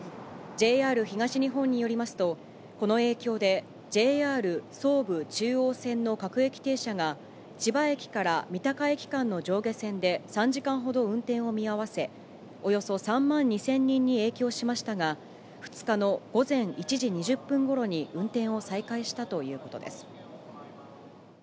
ＪＲ東日本によりますと、この影響でＪＲ総武・中央線の各駅停車が、千葉駅から三鷹駅間の上下線で３時間ほど運転を見合わせ、およそ３万２０００人に影響しましたが、２日の午前１時２０分ごろに運転を再開したということです。